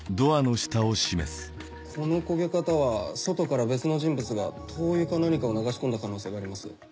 この焦げ方は外から別の人物が灯油か何かを流し込んだ可能性があります。